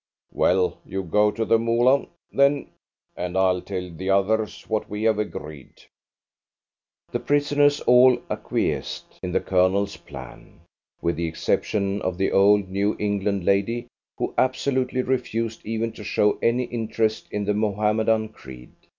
Well, you go to the Moolah, then, and I'll tell the others what we have agreed." The prisoners all acquiesced in the Colonel's plan, with the exception of the old New England lady, who absolutely refused even to show any interest in the Mohammedan creed.